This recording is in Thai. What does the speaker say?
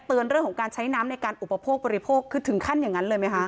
เรื่องของการใช้น้ำในการอุปโภคบริโภคคือถึงขั้นอย่างนั้นเลยไหมคะ